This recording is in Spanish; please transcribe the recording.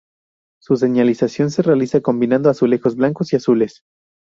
Su señalización se realiza combinando azulejos blancos y azules.